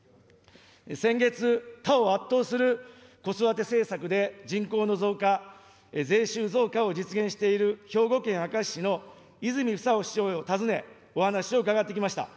先月、他を圧倒する子育て政策で人口の増加、税収増加を実現している兵庫県明石市の泉房穂市長を訪ね、お話を伺ってきました。